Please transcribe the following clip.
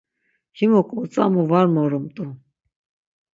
Himuk otzamu var morumt̆u.